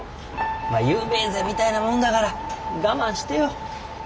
有名税みたいなもんだから我慢してよ。